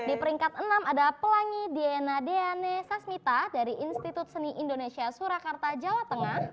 di peringkat enam ada pelangi diana diane sasmita dari institut seni indonesia surakarta jawa tengah